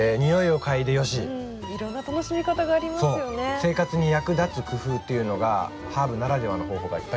生活に役立つ工夫というのがハーブならではの方法がいっぱい